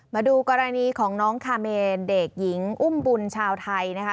มาดูกรณีของน้องคาเมนเด็กหญิงอุ้มบุญชาวไทยนะคะ